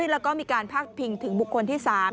แล้วก็มีการพาดพิงถึงบุคคลที่๓